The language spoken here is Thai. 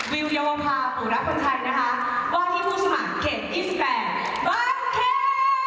วิวยาวภาพปุรัติภัณฑ์ไทยว่าที่ผู้สมัครเก็บอิสแกรมบันเก็บ